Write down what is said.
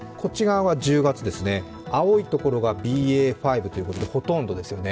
青いところがＢＡ．５ということでほとんどですよね。